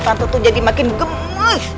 tante tuh jadi makin gemuh